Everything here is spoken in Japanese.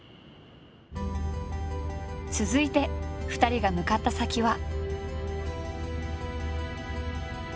続いて２人が向かった先は。